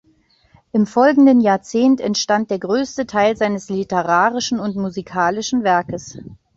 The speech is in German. Im folgenden Jahrzehnt entstand der größte Teil seines literarischen und musikalischen Werkes.